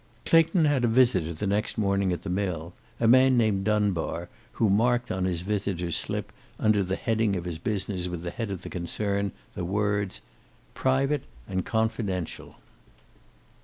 Clayton had a visitor the next morning at the mill, a man named Dunbar, who marked on his visitors' slip, under the heading of his business with the head of the concern, the words, "Private and confidential."